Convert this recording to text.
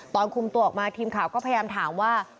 ตอนคุมตัวออกมาทีมข่าวก็พยายามถามว่า